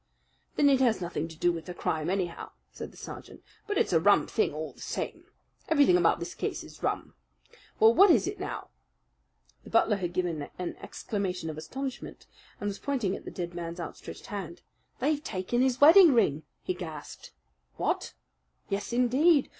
"Then it has nothing to do with the crime, anyhow," said the sergeant. "But it's a rum thing all the same. Everything about this case is rum. Well, what is it now?" The butler had given an exclamation of astonishment and was pointing at the dead man's outstretched hand. "They've taken his wedding ring!" he gasped. "What!" "Yes, indeed.